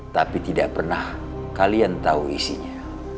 tapi tidak pernah kalian tahu isinya